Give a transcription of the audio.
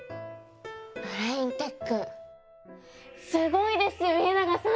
ブレインテックすごいですよ家長さん！